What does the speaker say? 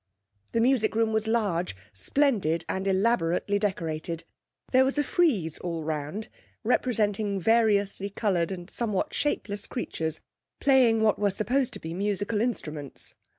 The music room was large, splendid and elaborately decorated. There was a frieze all round, representing variously coloured and somewhat shapeless creatures playing what were supposed to be musical instruments.